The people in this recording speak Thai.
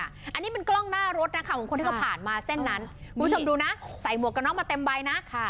อันนี้เป็นกล้องหน้ารถนะคะของคนที่เขาผ่านมาเส้นนั้นคุณผู้ชมดูนะใส่หมวกกันน็อกมาเต็มใบนะ